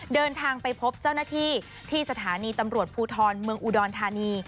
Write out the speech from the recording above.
เดินทางไปพบเจ้าหน้าที่ที่สถานีตำรวจภูทรเมืองอุดรธานี